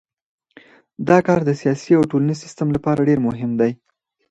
دا کار د سیاسي او ټولنیز سیستم لپاره ډیر مهم دی.